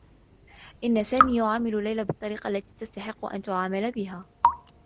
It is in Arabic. إنّ سامي يعامل ليلى بالطّريقة التي تستحق أن تُعامَل بها.